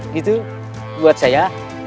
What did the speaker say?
gitu buat saya